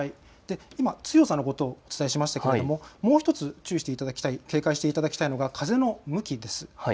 今、強さのことをお伝えしましたがもう１つ注意していただきたい警戒していただきたい点が風の向きです。